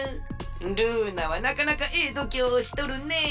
ルーナはなかなかええどきょうをしとるねえ。